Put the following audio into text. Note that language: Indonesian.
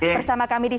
bersama kami di